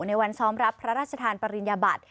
ในวันซ้อมรับพระราชทานปริญญาบัติ